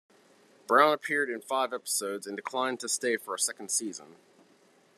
Brown appeared in five episodes and declined to stay for a second season.